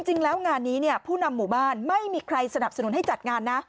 งานนี้ผู้นำหมู่บ้านไม่มีใครสนับสนุนให้จัดงานนะ